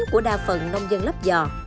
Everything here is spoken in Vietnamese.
của đa phần nông dân lập giò